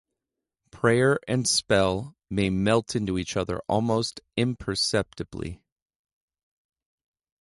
Prayer and spell may melt into each other almost imperceptibly.